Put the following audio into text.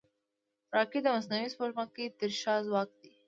راکټ د مصنوعي سپوږمکۍ تر شا ځواک دی